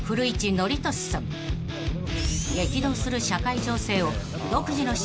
［激動する社会情勢を］